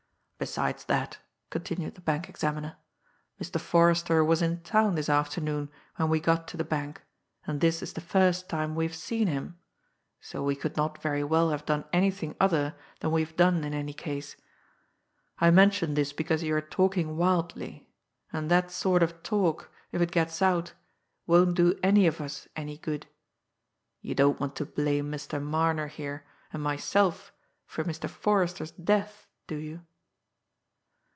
"Besides that," continued the bank examiner, "Mr. Forrester was in town this afternoon when we got to the bank and this is the first time we have seen him, so we could not very well have done anything other than we have done in any case. I mention this because you are talking wildly, and that sort of talk, if it gets out, won't do any of us any good. You don't want to blame Mr. Marner here and myself for Mr. Forrester's death, do you?"